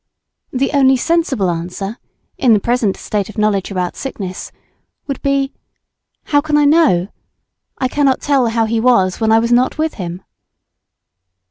The only sensible answer (in the present state of knowledge about sickness) would be "How can I know? I cannot tell how he was when I was not with him."